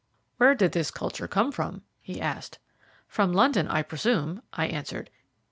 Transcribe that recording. "Where did this culture come from?" he asked. "From London, I presume," I answered.